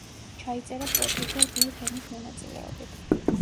ჩაიწერა პროდიუსერ ბილ ჰემის მონაწილეობით.